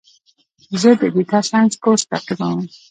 زه د ډیټا ساینس کورس تعقیبوم.